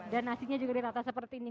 dan nasinya juga di atas seperti ini